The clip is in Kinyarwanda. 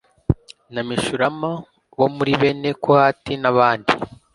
na Meshulamu bo muri bene Kohati n abandi